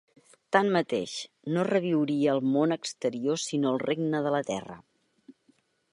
Tanmateix, no reviuria al Món exterior sinó al Regne de la Terra.